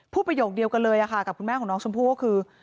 ประโยคเดียวกันเลยค่ะกับคุณแม่ของน้องชมพู่ก็คือ